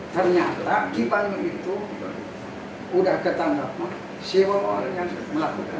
ternyata aki banyu itu udah ketanggap seorang orang yang melakukan